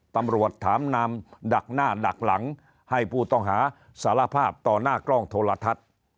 ตำรวจถามนามดักหน้าดักหลังให้ผู้ต้องหาสารภาพต่อหน้ากล้องโทรทัศน์